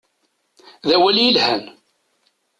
D awal yelhan.